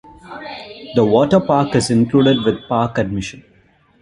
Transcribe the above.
The water park is included with park admission.